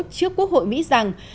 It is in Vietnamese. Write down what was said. trước quốc hội mỹ rằng